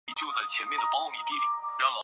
这些元素有时也被称作过渡金属。